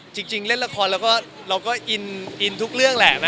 จริงเล่นละครแล้วก็เราก็อินทุกเรื่องแหละ